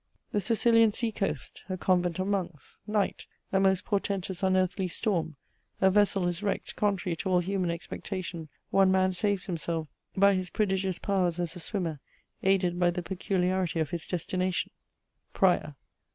The Sicilian sea coast: a convent of monks: night: a most portentous, unearthly storm: a vessel is wrecked contrary to all human expectation, one man saves himself by his prodigious powers as a swimmer, aided by the peculiarity of his destination "PRIOR.